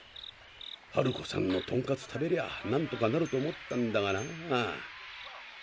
ハルコさんのトンカツ食べりゃなんとかなると思ったんだがなあ。